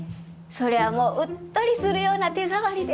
それはもううっとりするような手触りで。